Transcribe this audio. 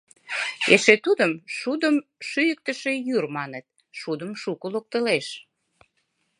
Эше тудым шудым шӱйыктышӧ йӱр маныт, шудым шуко локтылеш.